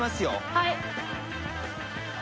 はい。